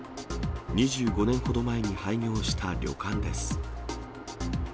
２５年ほど前に廃業した旅館です。